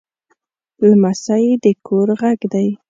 لمسی د کور غږ دی.